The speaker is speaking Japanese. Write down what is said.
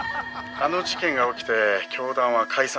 「あの事件が起きて教団は解散しています」